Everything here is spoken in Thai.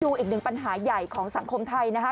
อีกหนึ่งปัญหาใหญ่ของสังคมไทยนะคะ